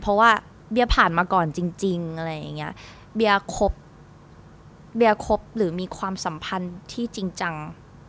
เพราะว่าเบียผ่านมาก่อนจริงจริงอะไรอย่างเงี้ยเบียร์คบเบียร์คบหรือมีความสัมพันธ์ที่จริงจัง